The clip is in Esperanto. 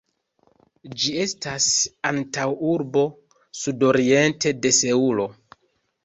Ĝi estas antaŭurbo sudoriente de Seulo.